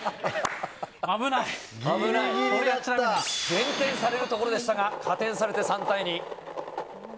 減点されるところでしたが加点されて３対２。